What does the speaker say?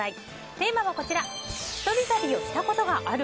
テーマは一人旅をしたことがある。